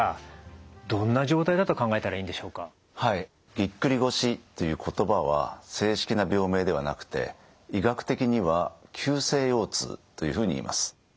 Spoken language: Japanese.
ぎっくり腰という言葉は正式な病名ではなくて医学的には急性腰痛というふうに言います。